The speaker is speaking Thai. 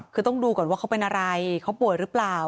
คือต้องดูก่อนว่าเขาเป็นอะไรเขาป่วยหรือเปล่า